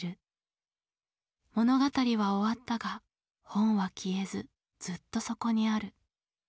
物語は終わったが本は消えずずっとそこにある。